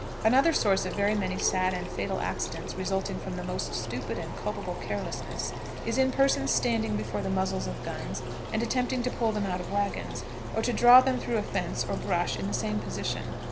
Another source of very many sad and fatal accidents resulting from the most stupid and culpable carelessness is in persons standing before the muzzles of guns and attempting to pull them out of wagons, or to draw them through a fence or brush in the same position.